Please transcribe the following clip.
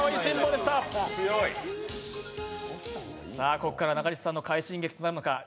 ここから中西さんの快進撃となるのか？